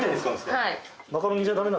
はい。